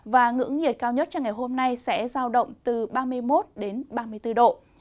và ngưỡng nhiệt cao nhất cho ngày hôm nay sẽ giao động từ ba mươi một ba mươi bốn độ